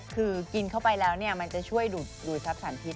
กินเข้าไปแล้วมันจะช่วยดูดดูดซับสารพิษ